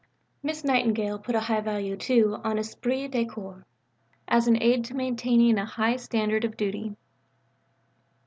Miss Nightingale put a high value, too, upon esprit de corps as an aid to maintaining a high standard of duty.